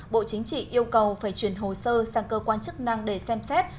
bộ chính trị yêu cầu phải chuyển hồ sơ sang cơ quan chức năng để xem xét